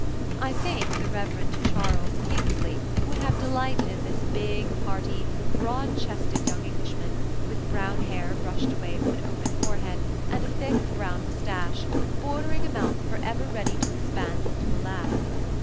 I think the Rev. Charles Kingsley would have delighted in this big, hearty, broad chested young Englishman, with brown hair brushed away from an open forehead, and a thick, brown mustache, bordering a mouth for ever ready to expand into a laugh.